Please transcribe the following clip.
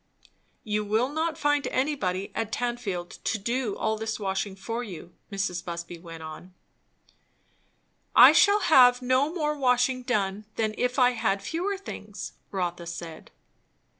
"You will not find anybody at Tanfield to do all this washing for you," Mrs. Busby went on. "I shall have no more washing done than if I had fewer things," Rotha said.